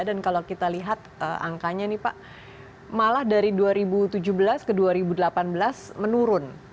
dan kalau kita lihat angkanya nih pak malah dari dua ribu tujuh belas ke dua ribu delapan belas menurun